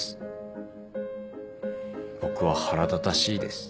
僕は腹立たしいです。